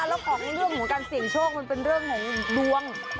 แล้วของเรื่องของการเสี่ยงโชคมันเป็นเรื่องของดวง